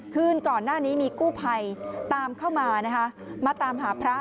คืนก่อนหน้านี้มีกู้ภัยตามเข้ามานะคะมาตามหาพระ